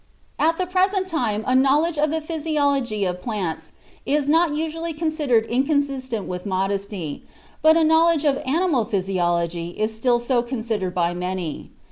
At the present time a knowledge of the physiology of plants is not usually considered inconsistent with modesty, but a knowledge of animal physiology is still so considered by many.